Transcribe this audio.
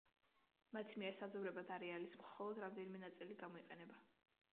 მათ მიერ საძოვრებად არეალის მხოლოდ რამდენიმე ნაწილი გამოიყენება.